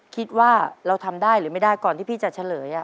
คิดว่าเราทำได้หรือไม่ได้ก่อนที่พี่จะเฉลย